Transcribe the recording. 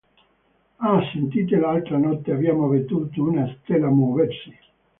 Ah, sentite, l'altra notte abbiamo veduto una stella muoversi.